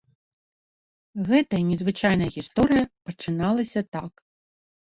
Гэта я незвычайная гісторыя пачыналася так.